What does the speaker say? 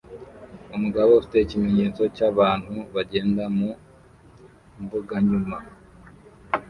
Umugabo ufite ikimenyetso n'abantu bagenda mu Mbuganyuma